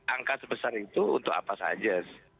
angka sebesar itu untuk apa saja